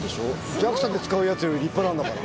ＪＡＸＡで使うやつより立派なんだから。